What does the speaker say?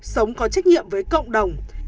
sống có trách nhiệm với cộng đồng